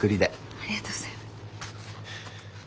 ありがとうございます。